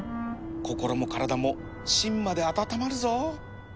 心も体も芯まで温まるぞ